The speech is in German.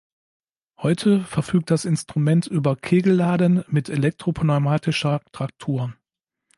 Heute verfügt das Instrument über Kegelladen mit elektro-pneumatischer Traktur.